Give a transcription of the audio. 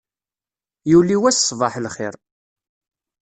Yuli wass ṣṣbaḥ lxir.